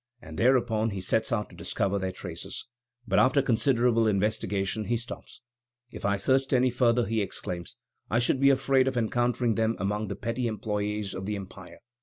And thereupon he sets out to discover their traces. But after considerable investigation he stops. "If I searched any further," he exclaims, "I should be afraid of encountering them among the petty employés of the Empire.